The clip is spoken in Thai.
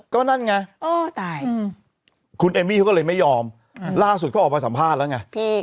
ก็นั่นไงโอ้ตายอืมคุณไม่ยอมหือล่าสุดเขาออกมาสัมภาษณ์แล้วไง